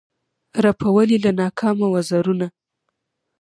رپول یې له ناکامه وزرونه